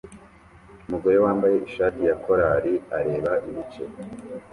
Umugore wambaye ishati ya korali areba ibice